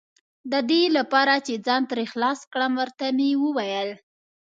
د دې لپاره چې ځان ترې خلاص کړم، ور ته مې وویل.